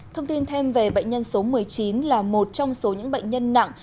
thông tin thêm về bệnh nhân số một mươi chín là một trong số những bệnh nhân nặng